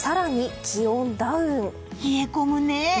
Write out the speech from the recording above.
冷え込むね！